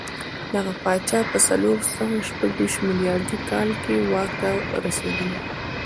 دغه پاچا په څلور سوه شپږ ویشت میلادي کال کې واک ته رسېدلی و.